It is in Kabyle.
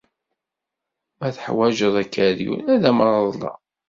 Ma teḥwajeḍ akeryun, ad am-reḍleɣ.